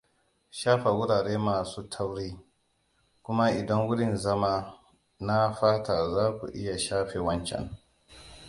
Shafa wurare masun tauri, kuma idan wurin zama na fata zaku iya shafe wancan.